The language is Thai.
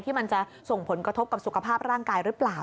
มันจะส่งผลกระทบกับสุขภาพร่างกายหรือเปล่า